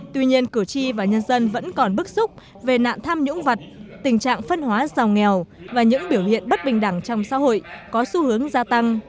tuy nhiên cử tri và nhân dân vẫn còn bức xúc về nạn tham nhũng vật tình trạng phân hóa giàu nghèo và những biểu hiện bất bình đẳng trong xã hội có xu hướng gia tăng